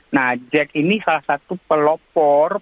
nah jack ini salah satu pelopor